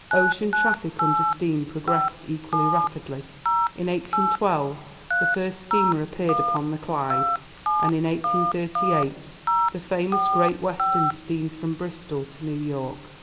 Ocean traffic under steam progressed equally rapidly; in 1812 the first steamer appeared upon the Clyde, and in 1838 the famous Great Western steamed from Bristol to New York.